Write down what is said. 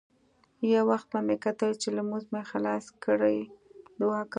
يو وخت به مې کتل چې لمونځ مې خلاص کړى دعا کوم.